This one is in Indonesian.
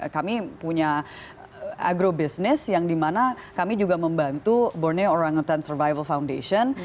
kami punya agrobusiness yang di mana kami juga membantu borneo orangutan survival foundation